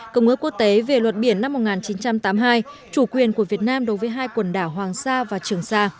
công ước quốc tế về luật biển năm một nghìn chín trăm tám mươi hai chủ quyền của việt nam đối với hai quần đảo hoàng sa và trường sa